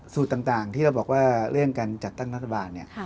สูตรต่างที่เราบอกว่าเรื่องการจัดตั้งรัฐบาลเนี่ย